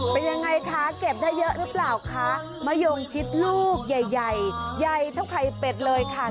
เป็นยังไงคะเก็บได้เยอะหรือเปล่าคะมะยงชิดลูกใหญ่ใหญ่เท่าไข่เป็ดเลยค่ะ